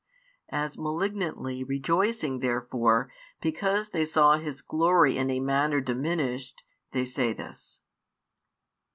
As malignantly rejoicing therefore, because they saw His glory in a manner diminished, they say this.